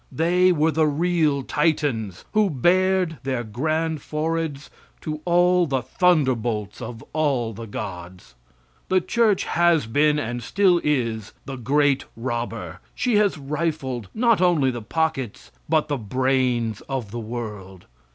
They were the real Titans who bared their grand foreheads to all the thunderbolts of all the gods. The church has been, and still is, the great robber. She has rifled not only the pockets but the brains of the world.